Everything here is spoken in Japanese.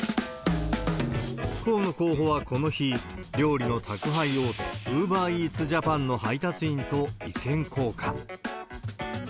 河野候補はこの日、料理の宅配大手、ウーバーイーツジャパンの配達員と意見交換。